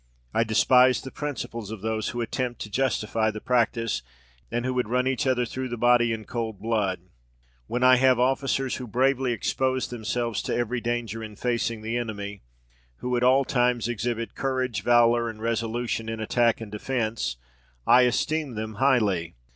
I despise the principles of those who attempt to justify the practice, and who would run each other through the body in cold blood. "When I have officers who bravely expose themselves to every danger in facing the enemy who at all times exhibit courage, valour, and resolution in attack and defence, I esteem them highly.